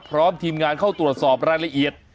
พร้อมทีมงานเข้าตรวจสอบรายละเอียด